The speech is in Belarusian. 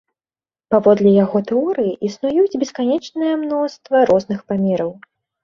Паводле яго тэорыі, існуюць бесканечныя мноства розных памераў.